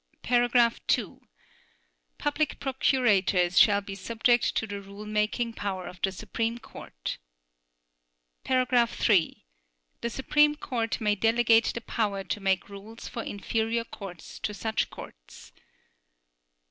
(2) Public procurators shall be subject to the rule making power of the Supreme Court. (3) The Supreme Court may delegate the power to make rules for inferior courts to such courts.